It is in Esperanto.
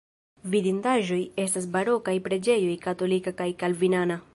Vidindaĵoj estas barokaj preĝejoj katolika kaj kalvinana.